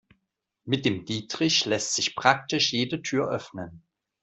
Mit dem Dietrich lässt sich praktisch jede Tür öffnen.